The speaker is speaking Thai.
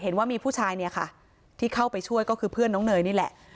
เห็นว่ามีผู้ชายเนี่ยค่ะที่เข้าไปช่วยก็คือเพื่อนน้องเนยนี่แหละ